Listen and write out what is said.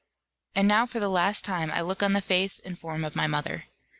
And now for the last time I look on the face and form of my mother.